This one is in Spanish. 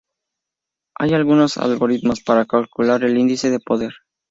Hay algunos algoritmos para calcular el índice de poder, p.